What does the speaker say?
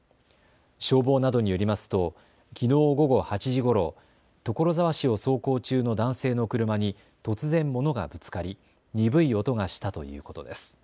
消防などによりますときのう午後８時ごろ、所沢市を走行中の男性の車に突然、物がぶつかり鈍い音がしたということです。